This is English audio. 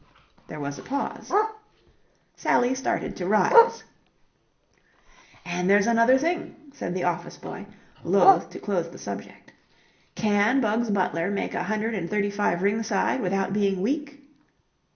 There was a pause. Sally started to rise. "And there's another thing," said the office boy, loath to close the subject. "Can Bugs Butler make a hundred and thirty five ringside without being weak?"